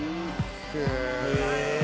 へえ。